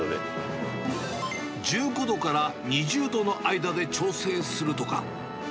１５度から２０度の間で調整するとか。